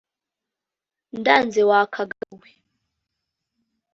ndanze wa kagabo we